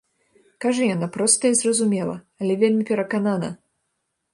Кажа яна проста і зразумела, але вельмі пераканана.